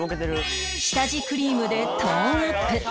下地クリームでトーンアップ